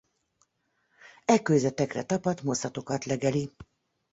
E kőzetekre tapadt moszatokat legeli.